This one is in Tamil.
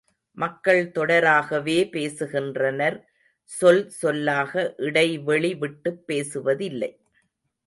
மக்கள் தொடராகவே பேசுகின்றனர் சொல் சொல்லாக இடைவெளி விட்டுப் பேசுவதில்லை.